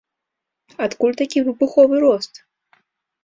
Адкуль такі выбуховы рост?